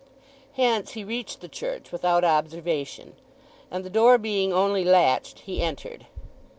Hence he reached the church without observation, and the door being only latched he entered.